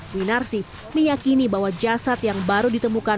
winarsi meyakini bahwa jasad yang baru ditemukan